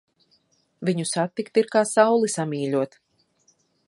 Viņu satikt ir kā sauli samīļot.